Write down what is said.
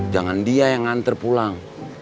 jangan dia yang nganter pulang